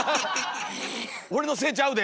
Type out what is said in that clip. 俺のせいちゃうで！